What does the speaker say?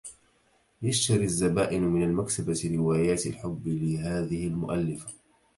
يشتري الزبائن من المكتبة روايات الحب لهذه المؤلفة.